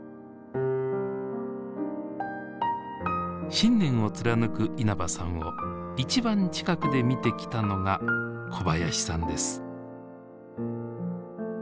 信念を貫く稲葉さんを一番近くで見てきたのが小林さんです。